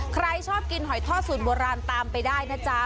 ใครชอบกินหอยทอดสูตรโบราณตามไปได้นะจ๊ะ